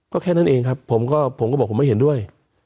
ก็แค่นั้นเองครับผมก็ผมก็บอกผมไม่เห็นด้วย